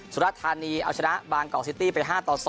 สุรรัตน์ธานีเอาชนะบางกอกซิตี้ไป๕๒